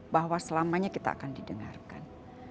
bahwa selamanya kita akan didengarkan